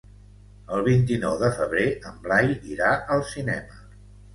El vint-i-nou de febrer en Blai irà al cinema.